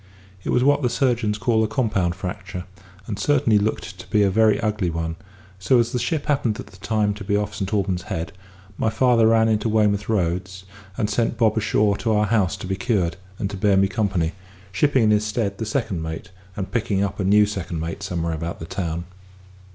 It was what the surgeons call a compound fracture, and certainly looked to be a very ugly one; so, as the ship happened at the time to be off Saint Alban's Head, my father ran into Weymouth roads, and sent Bob ashore to our house to be cured, and to bear me company; shipping in his stead the second mate, and picking up a new second mate somewhere about the town.